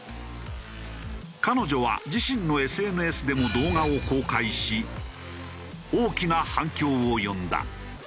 彼女は自身のＳＮＳでも動画を公開し大きな反響を呼んだ。